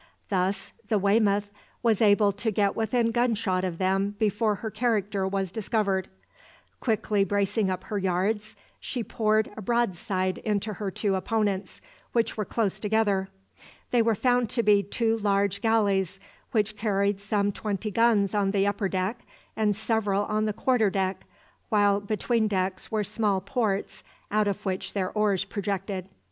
Thus the "Weymouth" was able to get within gunshot of them before her character was discovered. Quickly bracing up her yards, she poured a broadside into her two opponents, which were close together. They were found to be two large galleys, which carried some twenty guns on the upper deck, and several on the quarter deck, while between decks were small ports, out of which their oars projected.